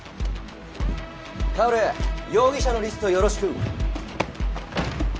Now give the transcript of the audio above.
薫容疑者のリストよろしく。